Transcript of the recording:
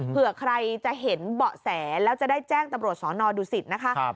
เผื่อใครจะเห็นเบาะแสแล้วจะได้แจ้งตำรวจสอนอดูสิตนะคะ